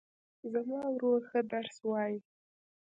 زما ورور ښه درس وایي